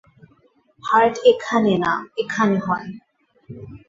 Heart এখানে না, এখানে হয়।